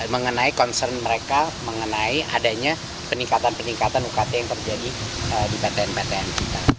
mengenai concern mereka mengenai adanya peningkatan peningkatan ukt yang terjadi di ptn ptn kita